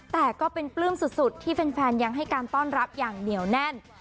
แต่ก็เป็นปลื้มสุดที่แฟนยังให้การต้อนรับอย่างเหนียวแน่น